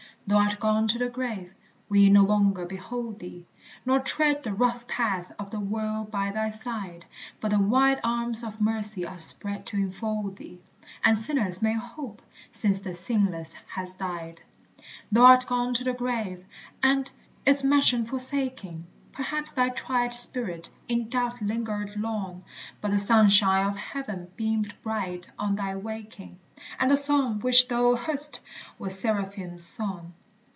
Thou art gone to the grave we no longer behold thee, Nor tread the rough path of the world by thy side; But the wide arms of mercy are spread to enfold thee, And sinners may hope, since the Sinless has died. Thou art gone to the grave and, its mansion forsaking, Perhaps thy tried spirit in doubt lingered long, But the sunshine of heaven beamed bright on thy waking, And the song which thou heard'st was the seraphim's song.